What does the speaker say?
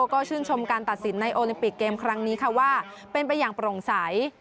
ก็ชื่นชมการตัดสินในโอลิมปิกเกมครั้งนี้ค่ะว่าเป็นไปอย่างโปร่งใส